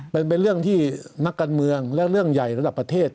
มันเป็นเรื่องที่นักการเมืองและเรื่องใหญ่ระดับประเทศ